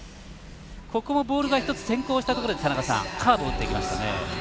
ここもボールが１つ先行したところでカーブを打っていきましたね。